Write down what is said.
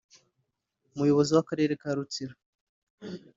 Umuyobozi w’ Akarere ka Rutsiro